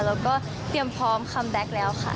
แล้วก็เตรียมพร้อมคัมแบ็คแล้วค่ะ